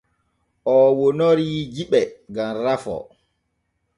Oo wonorii jiɓe gam rafoo.